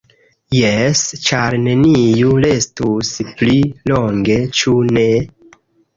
Jes, ĉar neniu restus pli longe, ĉu ne?